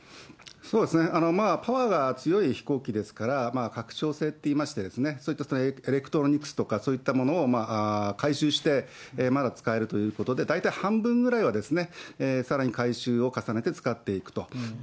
そうですね、パワーが強い飛行機ですから、拡張性といいまして、そういったエレクトロニクスとか、そういったものを改修して、まだ使えるということで、大体半分ぐらいはさらに改修を重ねて使っていくと。